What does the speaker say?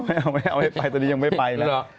ไม่เอาไม่เอาให้ไปตอนนี้ยังไม่ไปแล้ว